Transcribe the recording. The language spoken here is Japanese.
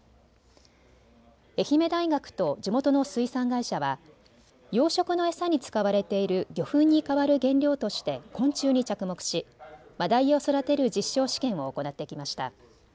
愛媛大学と地元の水産会社は養殖の餌に使われている魚粉に代わる原料として昆虫に着目しマダイを育てる実証試験を行ってきました。